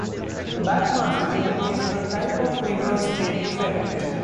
Backmasking is a type of reverse tape effect.